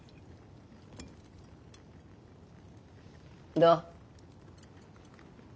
どう？